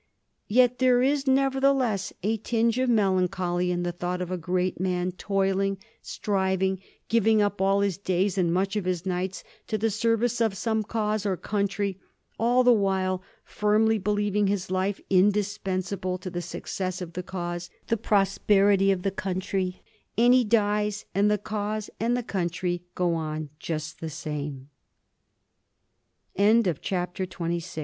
Yet there is, nevertheless, a tinge of melancholy in the thought of a great man toiling, striving, giving up all his days and much of his nights to the service of some cause or country, all the while firmly believing his life indis pensable to the success of the cause, the prosperity of the country; and he dies, and the cause and the countr